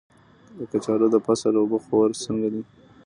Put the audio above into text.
د کچالو د فصل اوبه خور څنګه دی؟